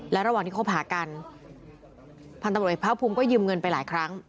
และระหว่างที่คบหากันพันธุ์ตำรวจเอกภาคภูมิก็ยืมเงินไปหลายครั้ง